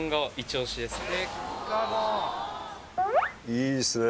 いいですね